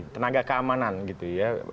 tenaga keamanan gitu ya